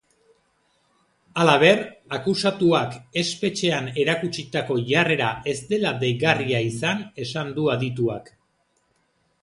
Halaber, akusatuak espetxean erakutsitako jarrera ez dela deigarria izan esan du adituak.